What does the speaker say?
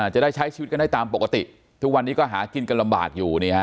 จะได้ใช้ชีวิตกันได้ตามปกติทุกวันนี้ก็หากินกันลำบากอยู่